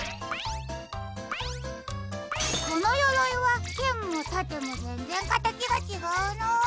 このよろいはけんもたてもぜんぜんかたちがちがうな。